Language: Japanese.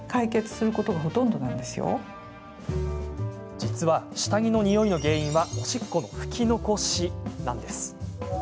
実は、下着のにおいの原因はおしっこの拭き残しなんです。